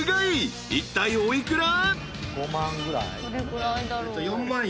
［いったいお幾ら？］